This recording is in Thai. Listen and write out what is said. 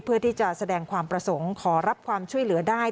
เพื่อที่จะแสดงความประสงค์ขอรับความช่วยเหลือได้